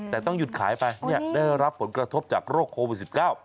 แต่ต้องหยุดขายไปเนี่ยได้รับผลกระทบจากโรคโควิด๑๙